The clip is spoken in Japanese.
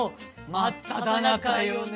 真っただ中よね！